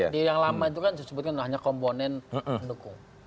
karena yang lama itu kan disebutkan hanya komponen mendukung